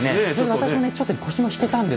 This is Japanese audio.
私もねちょっと腰が引けたんですよ。